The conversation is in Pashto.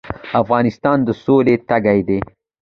افغانستان د سولې تږی دی